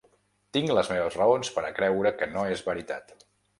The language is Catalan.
Tinc les meves raons per a creure que no és veritat.